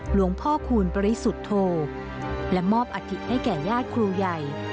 หลวงพ่อคูณปริสุทธโธและมอบอาทิตให้แก่ญาติครูใหญ่